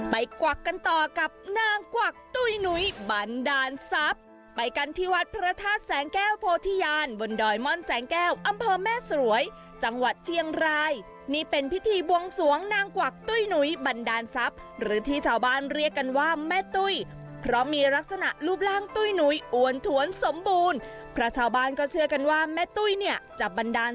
กวักกันต่อกับนางกวักตุ้ยหนุ้ยบันดาลทรัพย์ไปกันที่วัดพระธาตุแสงแก้วโพธิญาณบนดอยม่อนแสงแก้วอำเภอแม่สวยจังหวัดเชียงรายนี่เป็นพิธีบวงสวงนางกวักตุ้ยหนุ้ยบันดาลทรัพย์หรือที่ชาวบ้านเรียกกันว่าแม่ตุ้ยเพราะมีลักษณะรูปร่างตุ้ยหนุ้ยอวนถวนสมบูรณ์เพราะชาวบ้านก็เชื่อกันว่าแม่ตุ้ยเนี่ยจะบันดาล